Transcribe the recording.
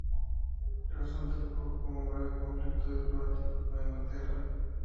El asunto provocó un grave conflicto diplomático con Inglaterra.